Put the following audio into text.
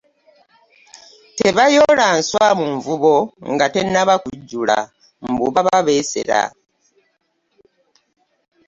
Tebayoola nswa mu nvubo nga tennaba kujjula mbu baba beesera.